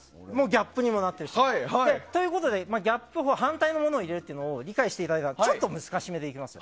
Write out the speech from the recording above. ギャップにもなってるし。ということでギャップ反対の意味のものを入れるというのを理解していただいたのでちょっと難しめでいきます。